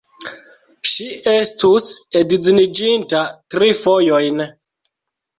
Ŝi estus edziniĝinta tri fojojn.